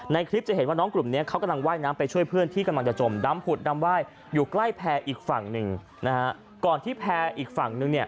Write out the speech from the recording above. ในคลิปจะเห็นน้องกลุ่มนี้เขามายน้ำไปช่วยเพื่อน